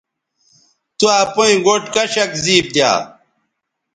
تو اپئیں گوٹھ کشک زیب دیا